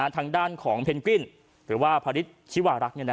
ทางด้านของเพนกวินหรือว่าพระฤทธิวารักษ์